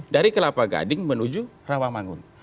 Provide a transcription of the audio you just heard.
dari kelapa gading menuju rawamangun